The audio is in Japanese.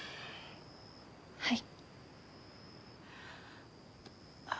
はい。